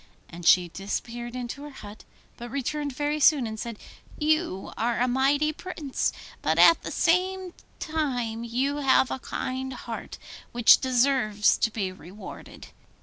And she disappeared into her hut, but returned very soon and said, 'You are a mighty Prince, but at the same time you have a kind heart, which deserves to be rewarded.